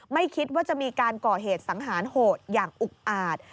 ไม่คิดว่าจะมีการก่อเหตุสังหารโหดอย่างอุกอาจ